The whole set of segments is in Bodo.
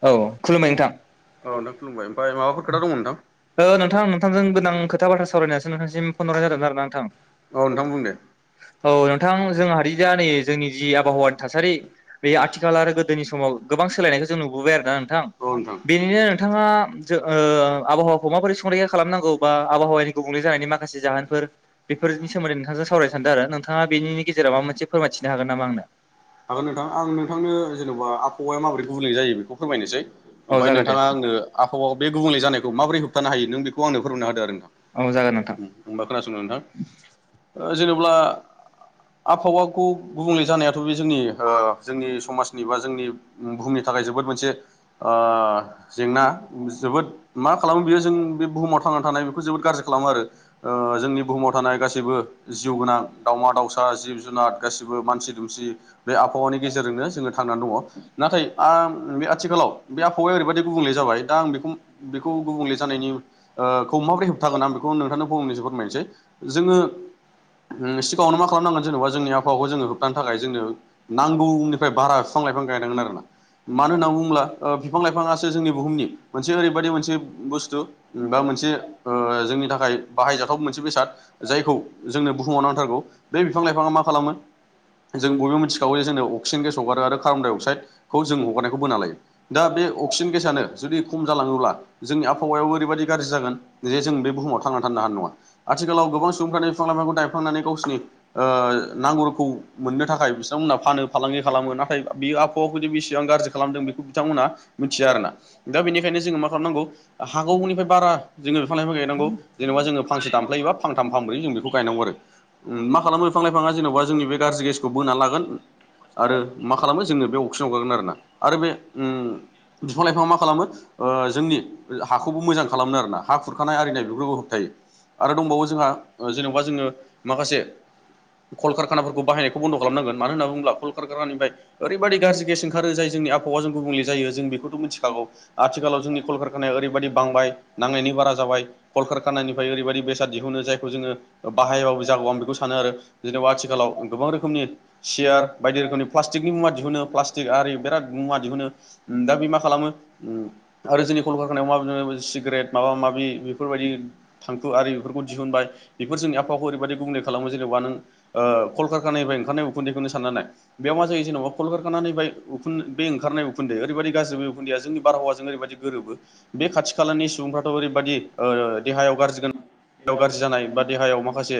औ खुलुमबाय नोंथां, औ नोंथां खुलुमबाय ओमफ्राय माबाफोर खोथा दंमोन नोंथां ओ नोंथां नोंथांजों गोदां खोथा बाथ्रा सावरायनासो नोंथांसिम फन हरनाय जादोंमोन आरो ना नोंथां। औ नोंथां बुं दे औ नोंथां जों हारि जा नै जोंनि जि आबहावानि थासारि बे आथिखाल आरो गोदोनि समाव गोबां सोलायनायखौ [unintelligible] नोंथां बेनिनो नोंथाङा जो- ओ आबहावाखौ माबोरै संरैखा खालामनांगौ बा आबहावानि गुबुंले जानायनि माखासे जाहोनफोर बेफोरनि सोमोन्दै नोंथांजों सावरायनो सानदों आरो नोंथाङा बेनि गेजेराव माबा मोनसे फोरमायथिनो हागोन नामा आंनो? हागोन नोंथां आं नोंथांनो जेन'बा आबहावाया माबोरै गुबुंले जायो बेखौ औ ओमफ्राय जागोन दे नोंथाङा आंनो आबहावा बे गुबुंल जानायखौ माबोरै होबथानो हायो नों बेखौ आंनो फोरमनो हादों आरो औ जागोन नोंथां होनबा खोनासंनो नोंथां जेनेबा आबहावाखौ गुबुंले जानायाथ' बे जोंनि जोंनि समाजनि बा जोंनि बुहुमनि थाखाय जोबोद मोनसे जेंना जोबोद मा खालामो बियो जों बे बुहुमाव थांनानै थानाय बेखौ जोबोद गाज्रि खालामो आरो जोंनि बुहुमाव थानाय गासैबो जिउ गोनां दावमा दावउसा जिब जुनार गासिबो मानसि दुमसि बे आबहावानि गेजेरजोंनो जोङो थांनानै दङ नाथाय बे आथिखालाव बे आबहावाया ओरैबायदि गुबुंले जाबाय दा आं बेखौ बेखौ गुबुंले जानायनि माबोरै होबथागोन आं बेखौ नोंथांनो फंनैसो फोरमायनोसै [unintelligible] जोङो उम सिगांङावनो मा खालामनांगोन जेनेबा जोंनि आबहावाखौ जोंङो होबथानो थाखाय जोंनो नांगौनिफ्राय बारा बिफां लाइफां गायनांगोन आरो ना मानो होनना बुङोब्ला बिफां लाइफाङासो जोंनि बुहुमनि मोनसे ओरैबादि मोनसे ब बुथु बा मोनसे जोंनि थाखाय बाहायजाथाव मोनसे बेसाद जायखौ जोंनो बुहुमाव नांथारगौ बे बिफां लाइफाङा मा खालामो जों बयबो मिथिखागौ जोंनो अक्सिजेन गेस हगारो आरो कार्बनडाइ अक्साइडखौ जों हगारनायखौ बोना लायो। दा बे अक्सिजेन गेसआानो जुदि खम जालाङोब्ला जोंनि आबहावायाव ओरैबायदि गाज्रि जागोन जे जों बे बुहुमाव थांनानै थानो हानाय नङा आथिखालाव गोबां सुबुंफ्रानो बिफां लाइफांखौ दानफायनानै गावसोरनि नांगौफोरखौ मोननो थाखाय बिथांमोनहा फानो फालांगि खालामो नाथाय बियो आबहावाखौदि बेसेबां गाज्रि खालामदों बेखौ बिथांमोना मिथिया आर ना दा बेनिखायनो जोङो मा खालामनांगौ हागौनिफ्राय बारा जोङो बिफां लाइफां गायनांगौ जेनेबा जोङो फांसे दामफ्लायोबा फांथाम फांब्रोय जों बेखौ गायनांगौ आरो मा खालामो बिफां लाइफाङा जेन'बा जोंनि बे गाज्रि गेसखौ बोना लागोन आरो मा खालामो जोंङनो बे अक्सिजेन होखारगोन आरोना बिफां लाइफाङा मा खालामो जोंनि हाखौबो मोजां खालामो आरोना हा खुरखानाय आरिनाय बेफोरखै होबथायो आरो दंबावो जोंहा जेनेबा जोङो माखासे कलकारखानाफोरखौ बाहायनायखौ बन्द' खालामनांगोन मानो होनना बुङोब्ला कलकारखानानिफ्राय ओरैबाददि गाज्रि गेस ओंखारो जाय जोंनि आबहावा जों गुबुंले जायो जों बेखौथ' मिथिखागौ आथिखालाव जोंनि कलकारखानाया ओरैबायदि बांबाय नांनायनि बारा जाबाय कलकारखानानिफ्राय ओरैबायाददि बेसाद दिहुनो जायखौ जोङो बाहायाबाबो जागौ आं बेखौ सानो आरो जेनेबा आथिखालाव गोबां रोखोमनि सियार बायदि रोखोमनि प्लास्टिकनि मुवा दिहुनो प्लास्टिक आरि बिराद मुवा दिहुनो दा बे मा खालामो आरो जोंनि कलकारखानायाव माबदि सिगारेट माबा माबि बेफोरबायदि थांखु आरि बेफोरखौ दिहुनबाय बेफोर जोंनि आफावाखौ ओरैबायदि गुबुंले खालामो जेनेबा नों कलकारखानानिफ्राय ओंखारनाय उखुन्दैखौनो साननानैनाय बेयाव मा जायो जेनेबा कलकारखानानिफ्राय उखुन बे ओंखारनाय उखुन उखुन्दै ओरैबायदि गाज्रि बे उखुन्दैआ जोंनि बारहावाजों ओरैबायदि गोरोबो बे खाथि खालानि सुबुंफ्राथ' ओरैबायदि देहायाव गारजि गाज्रि जानाय बा देहायाव माखासे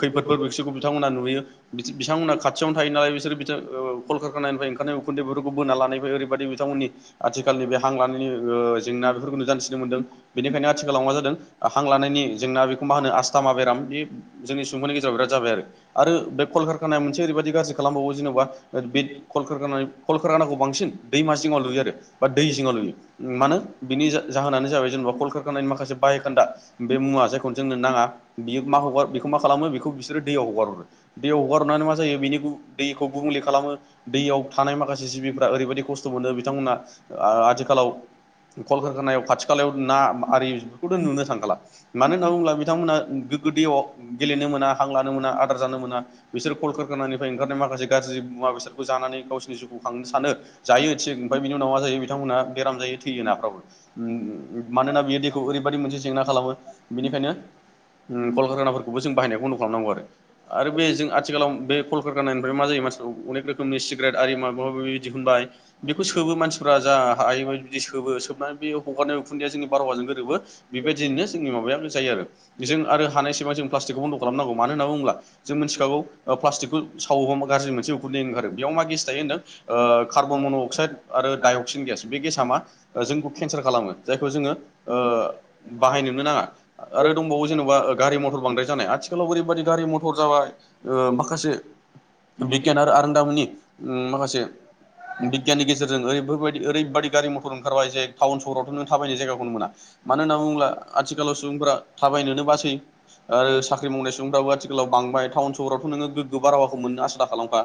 खैफोदफोर बिसखौ बिथांमोना नुयो बिथांमोना खाथियावनो थायो नालाय बिसोर कलकारखानानिफ्राय ओंखारनाय उखुन्दैफोरखौ बोनानै लानाय ओरैबायदि बिथांमोननि आथिखालनि बे हां लानायनि जेंना बेफोरखौ नुजानथिनो मोनदों बेनिखायनो आथिखालाव मा जादों हां लानायनि जेंना बेखौ मा होनो आस्थामा बेराम बे जोंनि सुबुंफोरनि गेजेराव बिराद जाबाय आरो बे कलकारखानाया मोनसे ओरैबायाददि गाज्रि खालामबावो जेन'बा बे कलकारखानानि कलकारखानाखौ बांसिन दैमा जिङाव लुयो आरो बा दै जिङाव लुयो मानो बिनि जा जाहोनानो जाबाय जेनेबा कलकारखानानि माखासे बाहायखोन्दा बे मुवा जायखौ जोंनो नाङा बियो मा हगार बेखौ मा खालामो बेखौ बिसोरो दैयाव हगार हरो दैयाव हगार हरनानै मा जायो बिनि दैखौ गुबुंले खालामो दैयाव थानाय माखासे जिबिफ्रा ओरैबायदि खस्थ' मोनो बिथांमोना आथिखालाव कलकारखानायाव खाथि खालायाव ना आरि बेफोरखौथ' नुनो थांखाला मानो होनना बुङोब्ला बिथांमोना गोगगो दैयाव गेलेनो मोना हां लानो मोना आदार जानो मोना बिसोर कलकारखानानिफ्राय ओंखारनाय माखासे गाज्रि मुवा बेसादखौ जानानै गावसोरनि जिउखौ खांनो सानो। जायो थिग ओमफ्राय बिनि उनाव मा जायो बिथांमोनहा बेराम जायो थैयो नाफ्राबो मानोना बियो दैखौ ओरैबायदि मोनसे जेंना खालामो बेनिखायनो कलकारखानाफोरखौबो जों बाहायनायखौ बन्द' खालामनांगौ आरो आरो बे जों आथिखालाव बे कलकारखानानिफ्राय मा जायो मानसिफोरखौ अनेक रोखोमनि सिगारेट आरि माबा माबि दिहुनबाय बेखौ सोबो मानसिफ्रा जा हाय बिदि सोबो सोबनानै बे हगारनाय उखुन्दैया जोंनि बारहावाजों गोरोबो बेबायदियैनो जोंनि माबाया जायो आरो जों आरो हानाय सेबां जों प्लास्टिकखौ बन्द' खालामनांगौ मानो होनना बुङोब्ला जों मिथिखागौ प्लास्टिकखौ सावोबा गाज्रि मोनसे उखुन्दै ओंखारो बेयाव मा गेस थायो होनदों कार्बन मन' अक्साइड आरो दाइअक्सिन गेस बे गेसा मा जोंखौ केन्सार खालामो जायखौ जोङो बाहायनोनो नाङा आरो दंबावो जेन'बा गारि मथर बांद्राय जानाय आथिखालाव ओरैबादि गारि मथर जाबाय माखासे बिगियान आरो आरोन्दामोननि माखासे बिगियाननि गेजेरजों ओरै बेफोरबायदि ओरैबायदि गारि मथर ओंखारबाय जे टाउन सहरावथ' नों थाबायनो जायगाखौनो मोना मानो होनना बुङोब्ला आथिखालाव सुबुंफोरा थाबायनोनो बासै आरो साख्रि मावनाय सुबुंफ्राबो आथिखालाव बांबाय टाउन सहरावथ' नोङो गोग्गो बारहावाखौ मोननो आसा दा खालामखा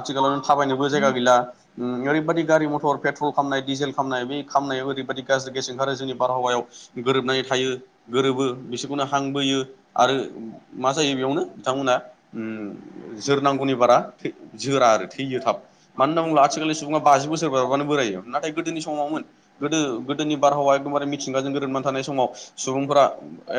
आथिालाव नों थाबायनोबो जायगा गैला ओरैबायदि गारि मथर पेट्रल खालामनाय डिजेल खालामनाय बे खामनायाव ओरैबायदि गाज्रि गेस ओंखारो जोंनि बारहावायाव गोरोबनाय थायो गोरोबो बिसोरखौनो हांबोयो आरो मा जायो बेयावनो बिथांमोना जोरनांगौनि बारा जोरा आरो थैयो थाब मानो होनना बुङोब्ला आथिखालनि सुबुङा बाजि बोसोर बारबानो बोरायो नाथाय गोदोनि समावमोन गोदो गोदोनि बारहावाया एकदमबारे मिथिंगाजों गोरोबा थानाय समाव सुबुंफोरा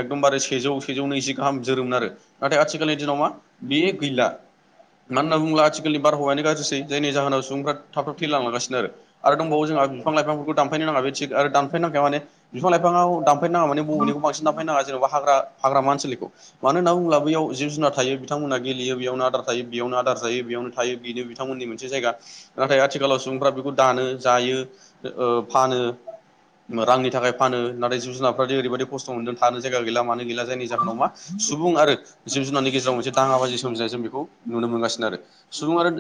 एकदमबारे सेजौ सेजौ नैजि गाहाम जोरोमोन आरो नाथाय आथिखालनि दिनाव मा बे गैला मानो होनना बुङोब्ला आथिखालनि बारहावायानो गाज्रिसै जायनि जाहोनाव सुबुंफोरा थाब थाब थैलांलांगासिनो आरो आरो दंबावो जोंहा बिफां लाइफांफोरखौ दानफायनो नाङा बे थिग आरो दानफायनांखाया माने बिफां लाइफाङाव दानफायनाङा माने ब'बेनिखौ बांसिन दानफनोनाङा जेन'बा हाग्रा हाग्रामा ओसोलनिखौ मानो होनना बुोब्ला बेयाव जि जुनार थायो बिथांमोनहा गेलेयो बेयावनो आदार थायो बेयावनो आदार जायो बेयावनो थायो बेनो बिथांमोननि मोनसे जायगा नाथाय आथिखालाव सुबुंफोरा बेखौ दानो जायो फानो रांनि थाखाय फानो नाथाय जिब जुनारफ्रादि ओरैबायादि खस्थ' मोनदों थानो जायगा गैला मानो गैला जायनि जाहोनाव मा सुबुं आरो जिब जुनारनि गेजेराव मोनसे दाङा बाजि सोमजिनाय जों बेखौ नुनो मोनगासिनो आरो सुबुं आरो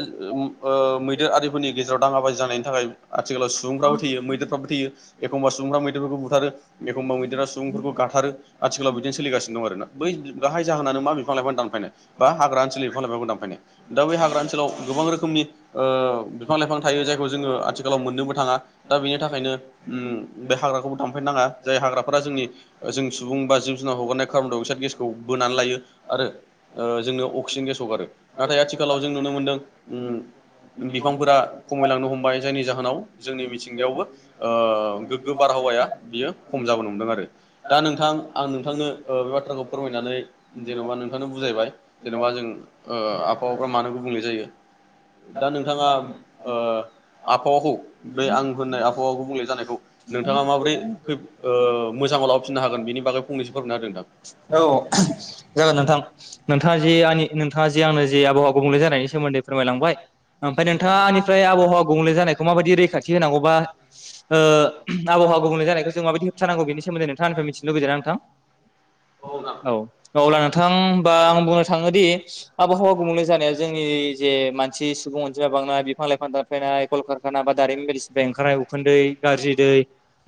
मैदेर आरिफोरनि गेजेराव दाङाबाजि जानायनि थाखाय आथिखालाव सुबुंफ्राबो थैयो मैदेरफ्राबो थैयो एखम्बा सुबुंफ्रा मैदेरफोरखौ बुथारो एखमबा मैदेरा सुबुंफोरखौ गाथारो आथिखालाव बिदिनो सोलिगासिनो दं आरोना बै गाहाय जाहोनानो मा बिफां लाइफां दानफायनाय बा हाग्रा ओनसोलनि बिफां लाइफांखौ दानफायनाय दा बै हाग्रा ओनसोलाव गोबां रोखोमनि बिफां लाइफां थायो जायखौ जोङो आथिखालाव मोननोबो थाङा दा बेनि थाखायनो बे हाग्राखौबो दांफायनो नाङा जाय हाग्राफोरा जोंनि जों सुबुं बा जिब जुनार हगारनाय कार्बन डाय अक्साइद गेसखौ बोनानै लायो आरो जोंनो अक्सिजेन गेस हगारो नाथाय आथिखालाव जों नुनो मोनदों बिफांफोरा खमायलांनो हमबाय जायनि जाहोनाव जोंनि मिथिंगायावबो गोग्गो बारहावाया बियो खम जाबोनो हमदों आरो दा नोंथां आं नोंथांनो बे बाथ्राखौ फोरमायनानै जेन'बा नोंथांनो बुजायबाय जेन'बा जों आबहावाफ्रा मानो गुबुंले जायो। दा नोंथाङा आबहावाखौ बे आं होननाय आबहावाखौ गुबुंले जानायखौ नोंथाङा माबोरै ख मोजाङाव लाबोफिननो हागोन बेनि बागै फंनैसो फोरमायना होदों। औ जागोन नोंथां नोंथाङा जे आंनि नोंथाङा जे आंनो जे आबहावा गुबुंले जानायनि सोमोन्दै फोरमायलांबाय। ओमफ्राय नोंथाङनिफ्राय आबहावा गुबुंले जानायखौ माबायदि रैखाथि होनांगौ बा आबहावा गुबुंले जानायखौ जों माबायदि होबथानांगौ बेनि सोमोन्दै नोंथांनिफ्राय मिथिनो लुबैदोंना नोंथां? औ औ अब्ला नोंथांबा आं बुंनो थाङोदि आबहावा गुबुंले जानाया जोंनि जे मानसि सुबुं बांनाय बिफां लाइफां दानफायनाय कलकारखाना बा दारिमि मेलिसनिफ्राय ओंखारनाय उखुन्दै गाज्रि दै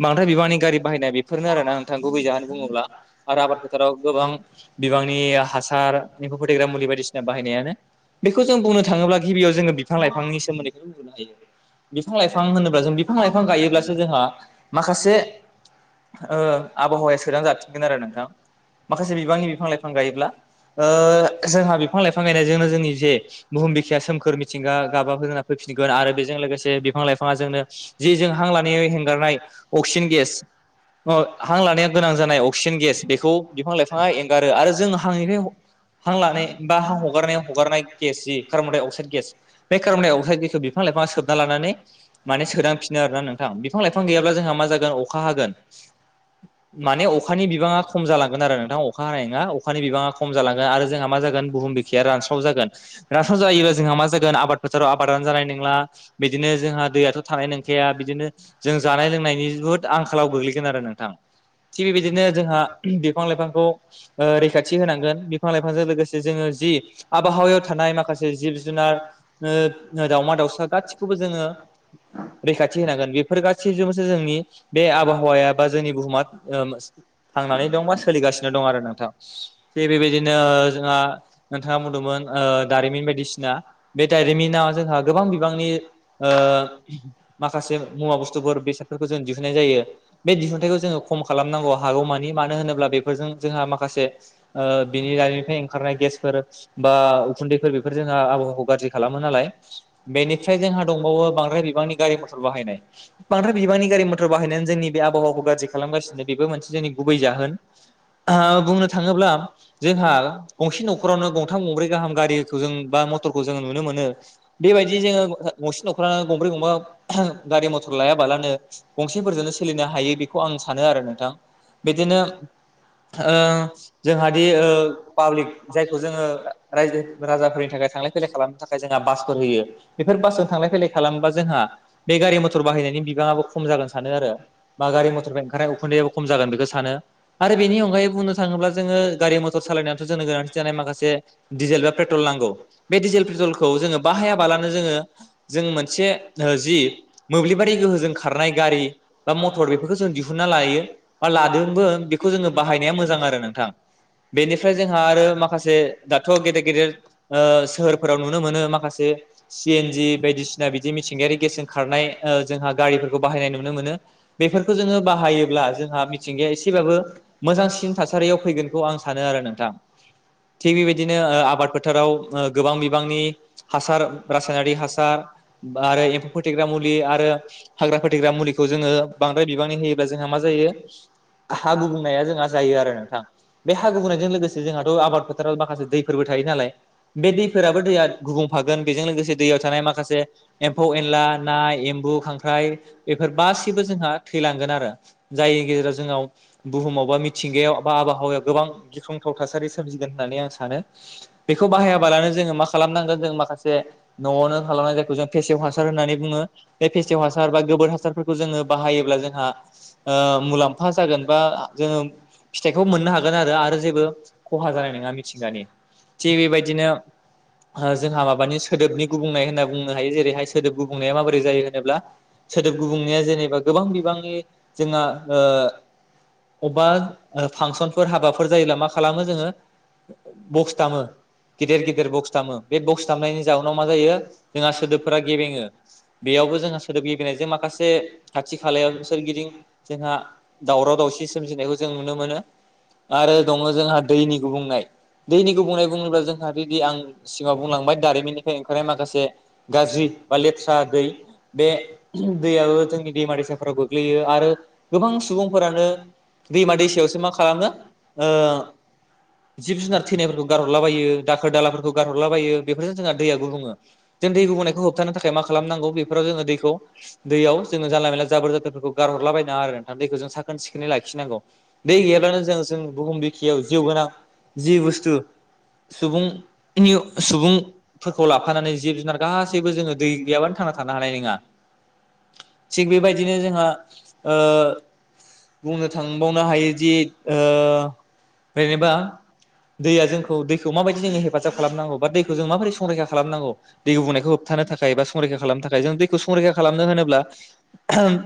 बांद्राय बिबांनि गारि बाहायनाय बेफोरनो आरो ना नोंथां गुबै जाहोन बुङोब्ला। आरो आबाद फोथाराव गोबां बिबांनि हासार एम्फौ फोथैग्रा मुलि बायदिसिना बाहायनायानो बेखौ जों बुंनो थाङोब्ला गिबियाव जों बिफां बिफांनि सोमोन्दैखौनो रुजुनो हायो बिफां लाइफां होनोब्ला जों बिफां लाइफां गायोब्लासो जोंहा माखासे-ओ आबहावाया सोरां जासिगोन आरो- माखासे बिबांनि बिफां लाइफां गायोब्ला ओ जोंहा बिफां लाइफां गायनायजोंनो जोंनि जे बुहुम बिखाया सोमखोर मिथिं गा-गाबाफोरा फैफिनगोन आरो बेजों लोगोसे बिफां लाइफाङा जोंनो जि जों हां लानाय हेंगारनाय अक्सिजेन गेस ओ हां लानाया गोनां जानाय अक्सिजेन गेस- बेखौ बिफां लाइफाङा एंगारो आरो जों हांनिफ्राय हां लानाय बा हां हगारनायाव हगारनाय गेस जि कार्बनडाइ अक्साइद गेस- बे कार्बन डाइ अक्साइड गेसखौ बिफां लाइफाङा सोबना लानानै माने सोदांफिनो आरोना नोंथां बिफां लाइफां गैयाब्ला जोंहा मा जागोन अखा हागोन माने अखानि बिबाङा ख लांगोन आरो नोंथां अखा हानाय नोङा अखानि बिबांआ खम जालांगोन आरो जोंहा मा जागोन बुहुम बिखाया रानस्राव जागोन रानसाव जायोब्ला जोहा मा गोन आबाद फोथाराव आबादानो जानाय नंला बिदिनो जोंहा दैयाथ' थानाय नोंखाया बिदिनो जों जानाय लोंनायनि बुहुद आंखालाव गोग्लैगोन आरो नोंथां थिग बेबायदिनो जोंहा- बिफां लाइफांखौ ओ रैखाथि होनांगोन बिफां लाइफांजों लोगोसे जोङो जि आबहावायाव थानाय माखासे जिब जुनार- ओ ओ दावमा दाउसा गासिखौबो जोङो रैखाथि होनांगोन बेफोर गासैजोंबोसो जोंनि बे आबहावाया बा जोंनि बुहुमा ओम थांनानै दं बा सोलिगासिनो दं आरो नोंथां थिग बेबायदिनो जोंहा नोंथाङा बुंदोंमोन ओ दारिमिन बायदिसिना बे दारिमिनआ जोंहा गोबां बिबांनि ओ माखासे मुवा बुस्थुफोर बेसादफोरखौ जों दिहुननाय जायो बे दिहुनन्थाइखौ जोङो खम खालामनांगौ हागौमानि मानो होनोब्ला बेफोरजों जोंहा माखासे ओ बिनि दारिमिफ्राय ओंखारनाय गेसफोर बा उखुन्दैफोर बेफोर जोंहा गाज्रि खालामो नालाय बेनिफ्राय जोंहा दंबावो बांद्राय बिबांनि गारि मथर बाहायनाय बांद्राय बिबांनि गारि मथर बाहायनायानो जोंनि बे आबावाखौ गारजि खालामगासिनो बेबो मोनसे जोंनि- गुबै जाहोन आ बुंनो थाङोब्ला जोंहा गंसे न'खरावनो गंथाम गंब्रै गाहाम गारिखौ जों मथरखौ जोङो नुनो मोनो बेबायदि जोङो गंसे न'खरानो गंब्रै गंबा गारि मथर लायाबालानो गंसेफोरजोंनो सोलिनो हायो बेखौ आं सानो आरो नोंथां बिदिनो ओ जोंहानि ओ पाब्लिक जायखौ जोंङो रायजो राजाफोरनि थाखाय फैलाय खालामनो थाखाय जोंहा बासफोर होयो बेफोर बासजों थांलाय फैलाय खालामोबा जोंहा बे गारि मथर बाहायनायनि बिबाङाबो खम जागोन सानो आरो बा गारि मटरनिफ्राय अंखारनाय उैखुमदैआबो खम जागोन बेखौ- सानो आरो बेनि अनगायै बुंनो थाङोब्ला जोङो गारि मथर सालायनायावथ' जोंनो गोनांथि जानाय माखासे दिडिजेल बा पेट्रल नांगौ। बे डिजेल पेट्रलखौ जोङो बाहायाबालानो जोङो जों मोनसे जि मोब्लिबारि गोहोजों खारनाय गारि बा मटर बेफोरखौ जों दिहुनना लायो बा ला- जोंबो बेखौ जोंङो बाहायनाया मोजां आरो नोंथां बेनिफ्राय जोंहा आरो माखासे दाथ' गेदेर गेदेर ओ ओ सोहोरफोराव नुनो मोनो माखासे सि एनजि बायदिसिना बिदि मिथिंगायारि गेसजों खारनाय जोंहा गारिफोरखौ बाहायनाय नुनो मोनो। बेफोरखौ जोङो बाहायोब्ला जोंहा एसेबाबो मोजांसिन थासारियाव फैगोन आं सानो आरो नोंथां। थिग बेबायदिनो आबाद फोथाराव गोबां बिबांनि हासार रासायनारि हासार बा आरो एम्फौ फोथेग्रा मुलि आरो हाग्रा फोथेग्रा मुलिखौ जोङो बांद्राय बिबांनि होयोब्ला जोंहा मा जायो? हा गुबुंनायआ जोंहा जायो आरो नोंथां बे हा गुबुंनायजों लोगोसे जोंहाथ' आबाद फोथाराव माखासे दैफोरबो थायो नालाय बे दैफोराबो दैया गुबुंफागोन बेजों लोगोसे दैयाव थानाय माखासे एम्फौ एनला ना एम्बु खांख्राइ बेफोर गासिबो जोंहा थैलांगोन आरो जानि गेजेराव जोङाव बुहुमाव बा मिथिंगायाव बा आबहावायाव गोबां गिख्रंथाव थासारि सोमजिगोन होननानै आं सानो। बेखौ बाहायाबालानो जोङो मा खालामनांगोन जों माखासे न'आवनो खालामनाय जायखौ जों फेसेव हासार होननानै बुङो बे फेसेव हासार बा गोबोर हासारफोरखौ जोङो बाहायोब्ला जोंहा ओ मुलाम्फा जागोन बा जोङो फिथाइखौ मोननो हागोन आरो आरो जेबो खहा जानाय नङा मिथिंगानि। थिग बेबायदिनो जोंहा माबानि सोदोबनि गुबुंनाय होनना बुंनो हायो जेरैहाय सोदोब गुबुंनाया माबोरै जायो होनोब्ला सोदोब गुबुंनाया जेनेबा गोबां बिबांनि जोंहा ओ अबा फांसनफोर हाबाफोर जायोब्ला मा खालामो जोङो बक्स दामो गिदिर गिदिर बक्स दामो बे बक्स दामनायनि जउनाव मा जायो जोंहा सोदोबफोरा गेबेङो बेयावबो जोंहा सोदोब गेबेनायजों माखासे खाथि खालायाव सोरगिदिं जोंहा दावराव दावसि सोमजिनायखौ जों नुनो मोनो आरो दङ जोंहा दैनि गुबुंनाय। दैनि गुबुंनाय बुङोब्ला जोंहा बिदि आं सिगांआव बुंलांबाय दारिमिननिफ्राय ओंखारनाय माखासे गाज्रि बा लेथ्रा दै बे दैयाबो जोंनि दैमा दैसाफोराव गोग्लैयो आरो गोबां फोरानो दैमा दैसायावसो मा खालामो ओ जिब जुनार थैनायफोरखौ गारहरलाबायो दाखोर दाला फोरखौ गारहला बायो बेफोरजों जोंना दैया गुबुङो। जों दै गुबुंनायखौ होबथानो थाखाय मा खालामनांगौ बेफोराव जोङो दैखौ दैयाव जोङो जानला मेला जाबोर जादोरफोरखौ गारहरलाबाय नाङा आरो दैखौ जों साखोन नो लाखिनांगौ दै गैयाब्लानो जों जों बुहुम बिखियाव जिउ गोनां जि बुस्थु सुबुंनि सुबुंफोरखौ लाफानानै जिब जुनार गासैबो जोङो दै गैयाबानो थांना थानो हानाय नङा थिग बेबायदिनो जोंहा ओ बुंनो थांबावनो हायो जे ओ जेनेबा दैया जोंखौ दैखौ माबायदि जोङो हेफाजाब खालामनांगौ बा दैखौ जों माबोरै संरैखा खालामनांगौ दै बुंनायखौ होबथानो थाखाय बा संरैखा खालामनो थाखाय जों दैखौ संरैखा खालामनो होनोब्ला [unintelligible]